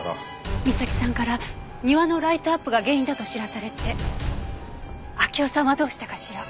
みさきさんから庭のライトアップが原因だと知らされて秋生さんはどうしたかしら？